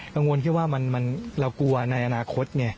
กังวลแค่ว่าเรากลัวในอนาคตไง